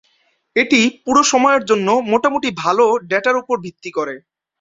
এটি পুরো সময়ের জন্য মোটামুটি ভাল ডেটার উপর ভিত্তি করে।